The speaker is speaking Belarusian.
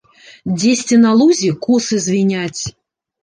Дзесьці на лузе косы звіняць.